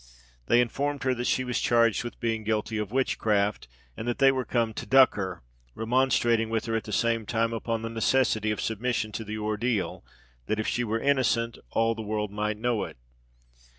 They informed her that she was charged with being guilty of witchcraft, and that they were come to duck her; remonstrating with her at the same time upon the necessity of submission to the ordeal, that, if she were innocent, all the world might know it.